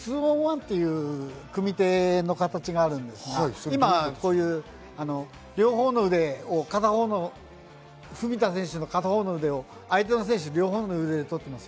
ツーオンワンという組手の形があるんですが、両方の腕を文田選手の片方の腕を相手の選手、両方の腕で取っています。